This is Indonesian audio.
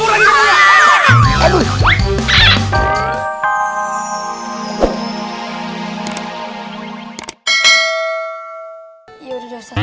ya udah ustadz